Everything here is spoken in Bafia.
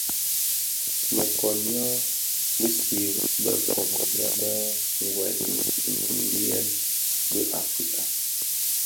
Më koň ňyô bi siri bë nkoomèn bë, wuèl wu ndiňyèn bi Africa.